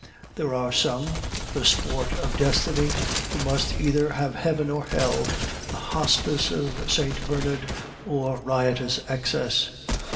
"There are some, the sport of Destiny, who must either have heaven or hell, the hospice of St. Bernard or riotous excess.